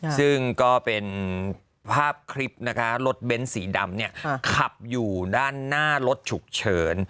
ซึ่งก็เป็นภาพคลิปนะคะรถเบ้นสีดำเนี่ยขับอยู่ด้านหน้ารถฉุกเฉิน